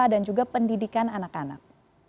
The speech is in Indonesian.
dan juga pendidikan anak anak